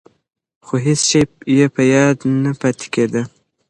خو هېڅ شی یې په یاد نه پاتې کېده.